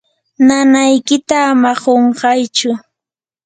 nanaykita ama qunqaychu.